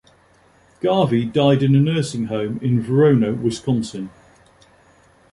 Garvey died in a nursing home in Verona, Wisconsin.